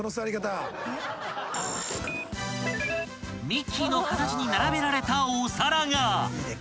［ミッキーの形に並べられたお皿が］